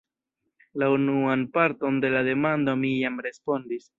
La unuan parton de la demando mi jam respondis.